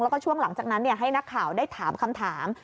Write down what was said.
แล้วก็ช่วงหลังจากนั้นให้นักข่าวได้ถามคำถาม